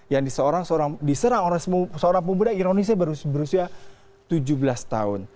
yang diserang seorang pemuda indonesia berusia tujuh belas tahun